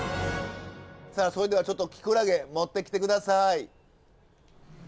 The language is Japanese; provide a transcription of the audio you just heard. それではちょっとキクラゲ持ってきて下さい。